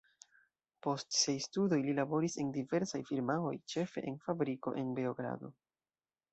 Post siaj studoj li laboris en diversaj firmaoj, ĉefe en fabriko en Beogrado.